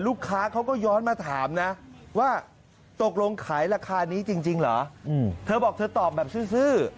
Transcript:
ลูกค้าเขาก็ย้อนมาถามนะว่าตกลงขายราคานี้จริงเหรอเธอบอกเธอตอบแบบซื้อ